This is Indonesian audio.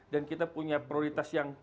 dan kita punya prioritas yang